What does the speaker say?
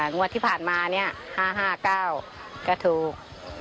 งวดที่ผ่านมาเนี่ย๕๕๙ก็ถูก